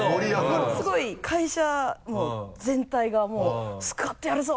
もうすごい会社全体がもう「スクワットやるぞ！」